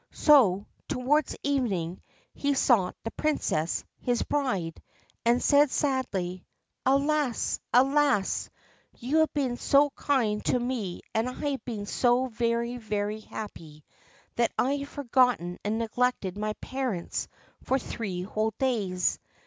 So, towards evening, he sought the Princess, his bride, and said sadly :' Alas I alas 1 you have been so kind to me and I have been so very, very happy, that I have forgotten and neglected my parents for three whole days.